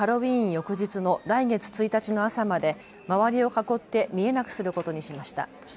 翌日の来月１日の朝まで周りを囲って見えなくすることにしました。